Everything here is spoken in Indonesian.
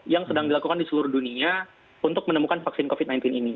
yang sedang dilakukan di seluruh dunia untuk menemukan vaksin covid sembilan belas ini